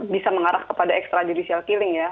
bisa mengarah kepada extra judicial killing ya